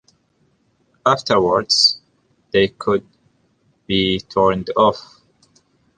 Afterwards, they could be turned off.